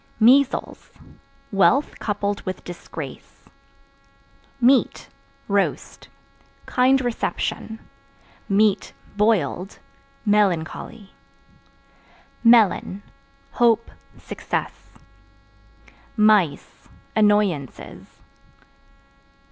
Measles Wealth coupled with disgrace. Meat (Roast) kind reception, (boiled) melancholy. Melon Hope, Success. Mice Annoyances.